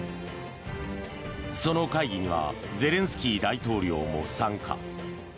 その会議にはゼレンスキー大統領も参加。